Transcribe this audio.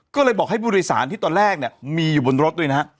ก็เลยบอกให้ผู้โดยสารที่ตอนแรกเนี่ยมีอยู่บนรถด้วยนะฮะ